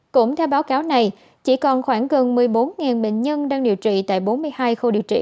cũng theo báo cáo này chỉ còn khoảng gần một mươi bốn bệnh nhân đang điều trị tại bốn mươi hai khu điều trị